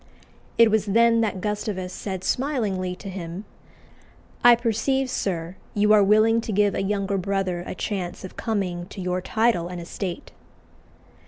It was then that Gustavus said smilingly to him, "I perceive, sir, you are willing to give a younger brother a chance of coming to your title and estate."